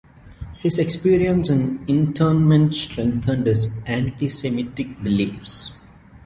His experience in internment strengthened his antisemitic beliefs.